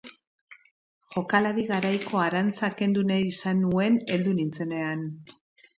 Jokalari garaiko arantza kendu nahi izan nuen heldu nintzenean.